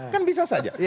kan bisa saja